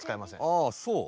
ああそう。